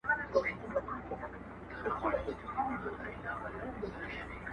خلک درسره حسد کوي